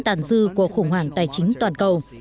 điều này sẽ giúp đỡ tàn dư của khủng hoảng tài chính toàn cầu